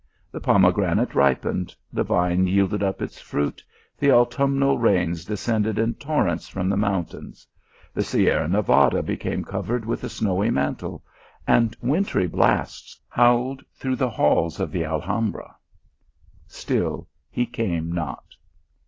The pomegranate ripened, the vine yielded up its fruit, the autumnal rains de scended in torrents from the mountains ; the Sierra Nevada became covered with a snowy mantle, and wintry blasts howled through the halls of the Al hambra : still he came not.